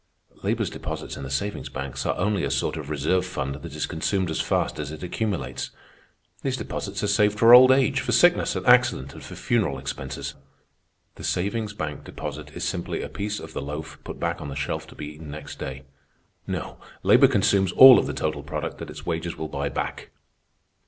"Labor's deposits in the savings banks are only a sort of reserve fund that is consumed as fast as it accumulates. These deposits are saved for old age, for sickness and accident, and for funeral expenses. The savings bank deposit is simply a piece of the loaf put back on the shelf to be eaten next day. No, labor consumes all of the total product that its wages will buy back.